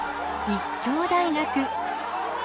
立教大学。